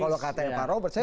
kalau katanya pak robert saya